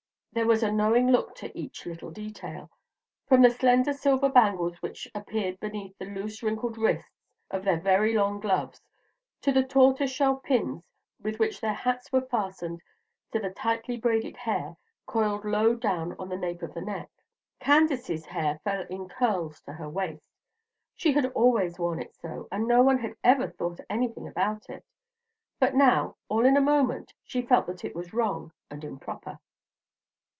There was a knowing look to each little detail, from the slender silver bangles which appeared beneath the loose wrinkled wrists of their very long gloves to the tortoise shell pins with which their hats were fastened to the tightly braided hair coiled low down on the nape of the neck. Candace's hair fell in curls to her waist. She had always worn it so, and no one had ever thought anything about it; but now, all in a moment, she felt that it was wrong and improper.